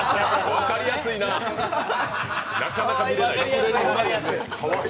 分かりやすいな、なかなか見れない。